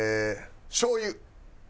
しょうゆ。